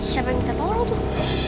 siapa yang kita tolong tuh